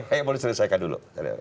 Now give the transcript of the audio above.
eh boleh diselesaikan dulu